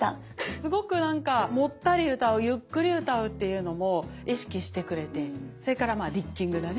すごくなんかもったり歌うゆっくり歌うっていうのも意識してくれてそれからまあリッキングだね。